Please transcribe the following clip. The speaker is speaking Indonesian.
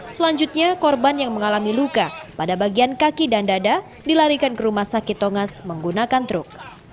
selanjutnya korban yang mengalami luka pada bagian kaki dan dada dilarikan ke rumah sakit tongas menggunakan truk